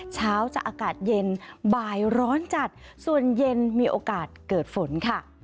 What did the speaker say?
เช้าจะอากาศเย็นบ่ายร้อนจัดส่วนเย็นมีโอกาสเกิดฝนค่ะ